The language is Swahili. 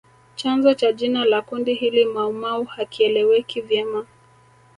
Chanzo cha jina la kundi hili Maumau hakieleweki vyema